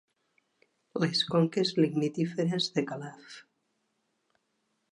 Les conques lignitíferes de Calaf.